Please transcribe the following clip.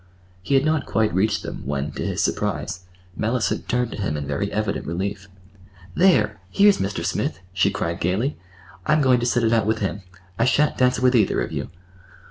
He had not quite reached them when, to his surprise, Mellicent turned to him in very evident relief. "There, here's Mr. Smith," she cried gayly. "I'm going to sit it out with him. I shan't dance it with either of you."